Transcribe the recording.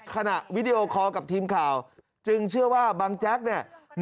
วิดีโอคอลกับทีมข่าวจึงเชื่อว่าบังแจ๊กเนี่ย